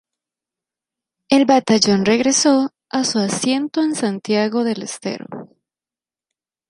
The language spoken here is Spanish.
El batallón regresó a su asiento en Santiago del Estero.